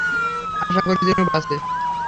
আশা করি যেন বাঁচে।